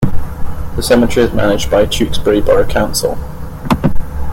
The cemetery is managed by Tewkesbury Borough Council.